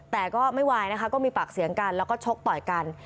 แต่ก็ไม่ไหวนะคะก็มีปากเสียงกันแล้วก็ชกต่อยกัน